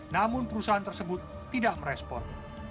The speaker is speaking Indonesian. namun perusahaan tersebut tidak merespon